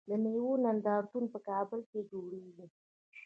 د میوو نندارتونونه په کابل کې جوړیږي.